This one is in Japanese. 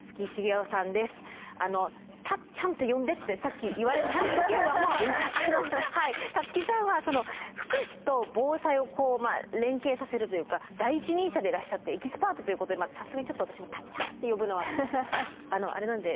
「たっちゃん」って呼んでってさっき言われたんですけれども立木さんはその福祉と防災を連携させるというか第一人者でいらっしゃってエキスパートということでさすがにちょっと私もたっちゃんって呼ぶのはあのあれなんで。